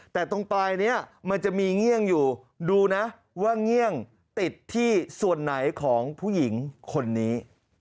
แต่ตรงปลายนี้มันจะมีเงี่ยงอยู่ดูนะว่าเงี่ยงติดที่ส่วนไหนของผู้หญิงคนนี้